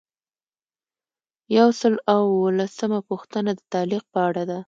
یو سل او اووه لسمه پوښتنه د تعلیق په اړه ده.